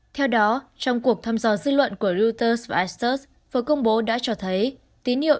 theo đó trong cuộc thăm dò dư luận của reuters và isters vừa công bố đã cho thấy tín hiệu